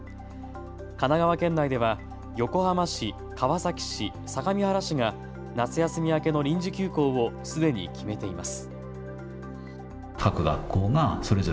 神奈川県内では横浜市、川崎市、相模原市が夏休み明けの臨時休校をすでに決めています。